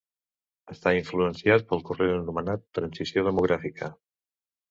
Està influenciat pel corrent anomenat transició demogràfica.